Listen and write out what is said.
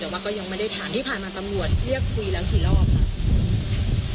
แต่ว่าก็ยังไม่ได้ถามที่ผ่านมาตำรวจเรียกคุยแล้วกี่รอบค่ะ